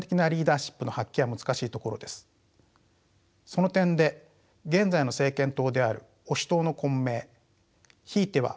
その点で現在の政権党である保守党の混迷ひいては